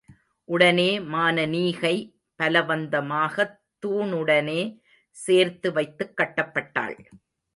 உடனே மானனீகை பலவந்தமாகத் தூணுடனே சேர்த்து வைத்துக் கட்டப்பட்டாள்.